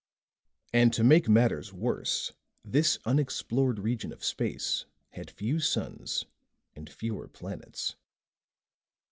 And to make matters worse, this unexplored region of space had few suns and fewer planets.